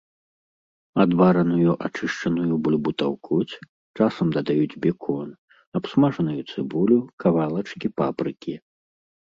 Адвараную ачышчаную бульбу таўкуць, часам дадаюць бекон, абсмажаную цыбулю, кавалачкі папрыкі.